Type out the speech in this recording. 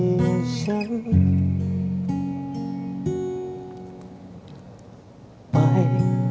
ที่อย่างฉันอาให้